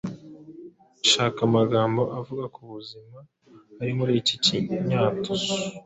shaka amagambo avuga ku buzima ari muri iki kinyatuzu